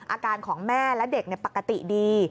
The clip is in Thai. อาการของแม่และเด็กปกติดี